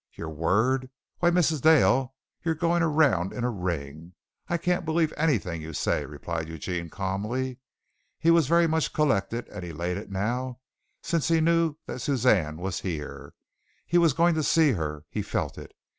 "Your word. Why, Mrs. Dale, you're going around in a ring! I can't believe anything you say," replied Eugene calmly. He was very much collected and elated now since he knew that Suzanne was here. He was going to see her he felt it.